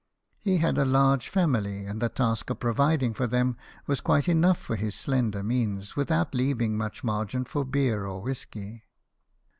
He had a large family, and the task of providing for them was quite enough for his slender means, without leaving much margin for beer or whisky.